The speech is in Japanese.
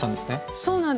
そうなんです